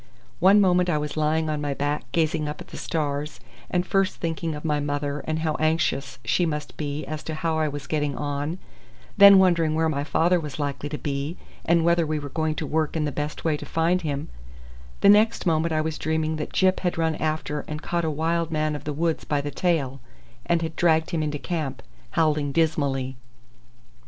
One moment I was lying on my back gazing up at the stars, and first thinking of my mother and how anxious she must be as to how I was getting on; then wondering where my father was likely to be, and whether we were going to work in the best way to find him; the next moment I was dreaming that Gyp had run after and caught a wild man of the woods by the tail, and had dragged him into camp, howling dismally.